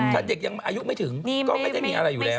ถ้าเด็กยังอายุไม่ถึงก็ไม่ได้มีอะไรอยู่แล้ว